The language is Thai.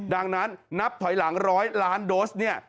ดังนั้นนับถอยหลัง๑๐๐ล้านโดสเนี่ย